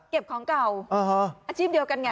ของเก่าอาชีพเดียวกันไง